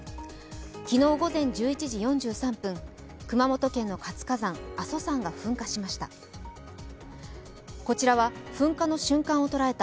昨日午前１１時４３分、熊本県の活火山・阿蘇山が噴火しました。